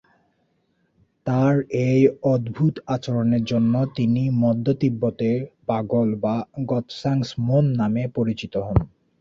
তার এই অদ্ভুত আচরণের জন্য তিনি মধ্য তিব্বতের পাগল বা গ্ত্সাং-স্ম্যোন নামে পরিচিত হন।